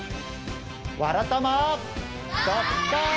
「わらたま」。「ドッカン」！